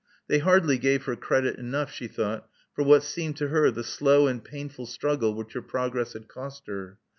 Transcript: They hardly gave her credit enough, she thought, for what seemed to her the slow and painful struggle which her progress had cost her.